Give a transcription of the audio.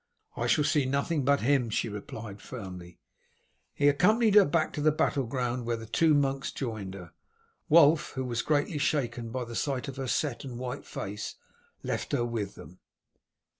"I shall see nothing but him," she replied firmly. He accompanied her back to the battle ground, where the two monks joined her. Wulf, who was greatly shaken by the sight of her set and white face, left her with them.